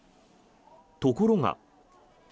ところが。